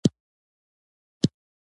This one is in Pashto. د باختر آژانس پښتو ریاست کې کار کاوه.